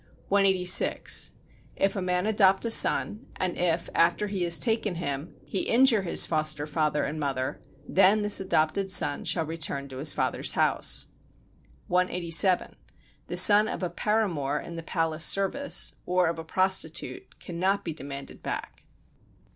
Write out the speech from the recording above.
186. If a man adopt a son, and if after he has taken him he injure his foster father and mother, then this adopted son shall return to his father's house. 187. The son of a paramour in the palace service, or of a prostitute, cannot be demanded back.